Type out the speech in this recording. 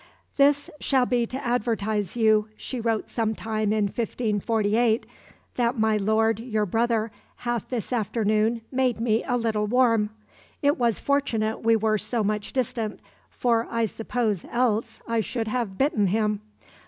"This shall be to advertise you," she wrote some time in 1548, "that my lord your brother hath this afternoon made me a little warm. It was fortunate we were so much distant, for I suppose else I should have bitten him.